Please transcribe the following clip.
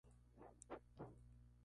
Y sí fui".